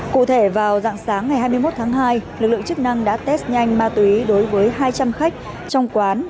cụ thể vào dạng sáng ngày hai mươi một tháng hai lực lượng chức năng đã test nhanh ma túy đối với hai trăm linh khách trong quán